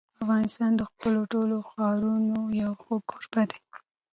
افغانستان د خپلو ټولو ښارونو یو ښه کوربه دی.